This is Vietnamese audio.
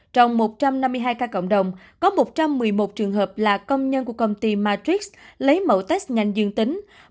trong một trăm năm mươi hai ca cộng đồng có một trăm một mươi một trường hợp là công nhân của công ty matrix lấy mẫu test nhanh dương tính